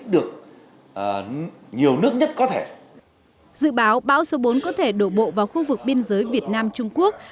dự báo bão số bốn có thể đổ bộ vào khu vực biên giới việt nam trung quốc